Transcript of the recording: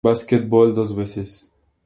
Basketball dos veces.